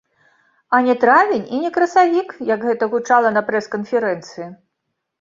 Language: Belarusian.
А не травень і не красавік, як гэта гучала на прэс-канферэнцыі.